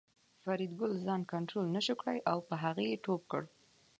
فریدګل ځان کنترول نشو کړای او په هغه یې ټوپ کړ